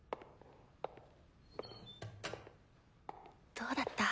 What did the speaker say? どうだった？